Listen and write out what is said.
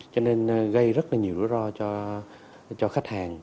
cho nên gây rất là nhiều rủi ro cho khách hàng